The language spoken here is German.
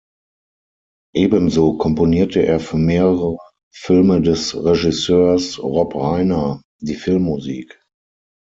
Ebenso komponierte er für mehrere Filme des Regisseurs Rob Reiner die Filmmusik.